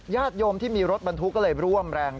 ญาติโยมที่มีรถบรรทุกก็เลยร่วมแรง